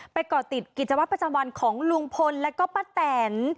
ก่อติดกิจวัตรประจำวันของลุงพลแล้วก็ป้าแตน